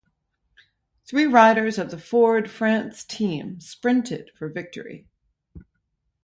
Three riders of the Ford-France team sprinted for victory.